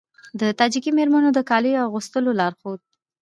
د تاجیکي میرمنو د کالیو اغوستلو لارښود